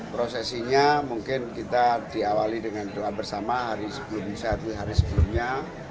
prosesinya mungkin kita diawali dengan doa bersama hari sebelumnya